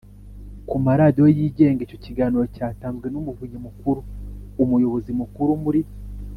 ku maradiyo yigenga Icyo kiganiro cyatanzwe n Umuvunyi Mukuru Umuyobozi Mukuru muri